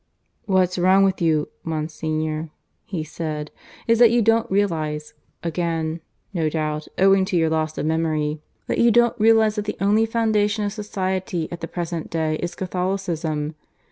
"What's wrong with you, Monsignor," he said, "is that you don't realize again, no doubt, owing to your loss of memory that you don't realize that the only foundation of society at the present day is Catholicism.